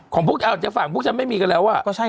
ของพวกเราจากฝั่งพวกฉันไม่มีกันแล้วอ่ะ